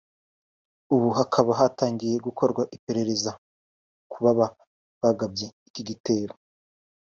ubu hakaba hatangiye gukorwa iperereza kubaba bagabye iki gitero